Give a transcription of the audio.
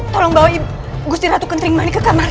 tolong bawa ibu gusti ratu kentering mani ke kamar